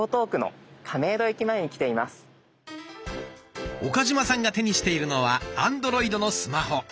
私は岡嶋さんが手にしているのはアンドロイドのスマホ。